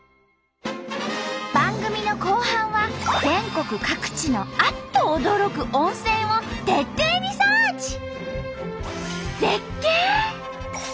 番組の後半は全国各地のあっと驚く温泉を徹底リサーチ！